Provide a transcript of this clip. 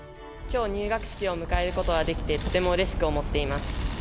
きょう入学式を迎えることができて、とてもうれしく思っています。